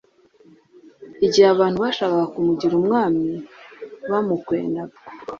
igihe abantu bashakaga kumugira Umwami bamukwenaga,